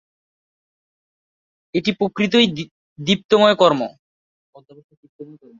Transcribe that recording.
এটি প্রকৃতই দীপ্তময় কর্ম।